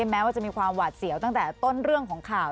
แม้ว่าจะมีความหวาดเสียวตั้งแต่ต้นเรื่องของข่าว